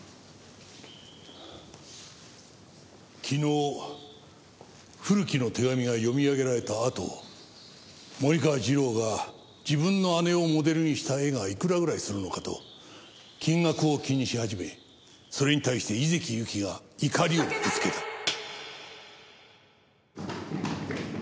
昨日古木の手紙が読み上げられたあと森川次郎が自分の姉をモデルにした絵がいくらぐらいするのかと金額を気にし始めそれに対して井関ゆきが怒りをぶつけた。